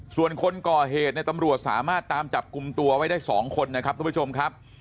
ส่วนคนก่อเหตุในตำรวจสามารถตามจับกลุ่มตัวไว้ได้๒คนนะครับทุกผู้ชมครับ